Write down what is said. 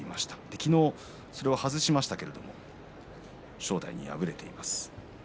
昨日はそれを外しましたけれども正代に敗れています。